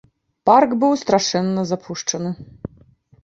Парк быў страшэнна запушчаны.